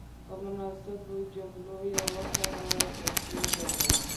په مناسبو جملو کې یې وکاروئ په پښتو ژبه.